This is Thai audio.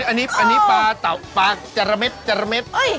อันนี้ปลาจัลปลาจรเม็บจรเม็บ